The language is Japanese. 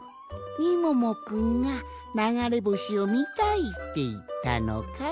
みももくんがながれぼしをみたいっていったのかい？